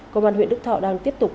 cơ quan huyện đức thọ đang tiếp tục